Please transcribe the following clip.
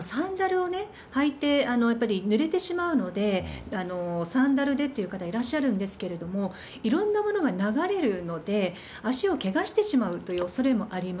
サンダルを履いて、やっぱりぬれてしまうので、サンダルでという方いらっしゃるんですけれども、いろんなものが流れるので、足をけがしてしまうというおそれもあります。